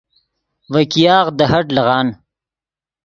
ڤے ګیاغ دے ہٹ لیغان